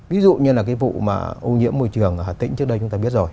ví dụ như là cái vụ mà ô nhiễm môi trường ở tỉnh trước đây chúng ta biết rồi